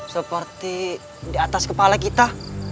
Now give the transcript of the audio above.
seperti di atas kepala kita